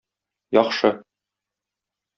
Яхшы.